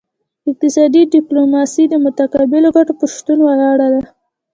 اقتصادي ډیپلوماسي د متقابلو ګټو په شتون ولاړه ده